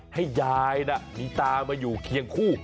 ให้ยายมีตามาอยู่เคียงคู่